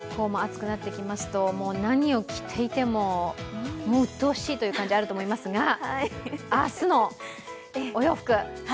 こうも暑くなってきますと何を着ていてもうっとうしいという感じ、あると思いますが、明日のお洋服。